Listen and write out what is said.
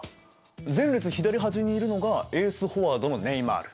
前列左端にいるのがエースフォワードのネイマール。